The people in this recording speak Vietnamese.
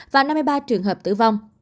và năm mươi ba trường hợp tử vong